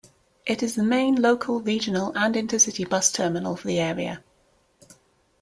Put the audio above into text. It is the main local, regional and intercity bus terminal for the area.